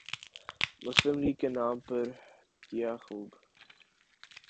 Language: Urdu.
مسلم لیگ کے نام پر کیا خوب